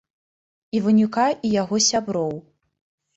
Іванюка і яго сяброў.